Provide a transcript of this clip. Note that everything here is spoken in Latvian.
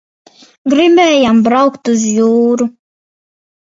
Giribējām braukt uz jūru.